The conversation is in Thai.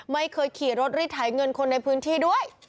ไม่เคยขี่รถรีดไถเงินคนในพื้นที่ด้วย